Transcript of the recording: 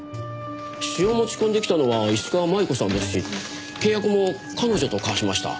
詩を持ち込んできたのは石川真悠子さんですし契約も彼女と交わしました。